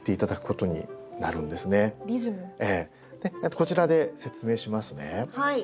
こちらで説明しますね。